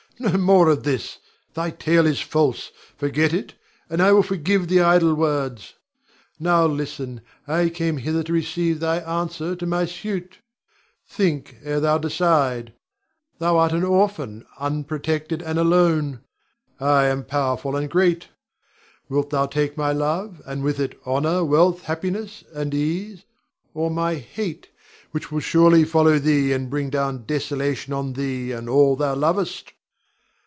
No more of this! Thy tale is false; forget it, and I will forgive the idle words. Now listen; I came hither to receive thy answer to my suit. Think ere thou decide. Thou art an orphan, unprotected and alone. I am powerful and great. Wilt thou take my love, and with it honor, wealth, happiness, and ease, or my hate, which will surely follow thee and bring down desolation on thee and all thou lovest?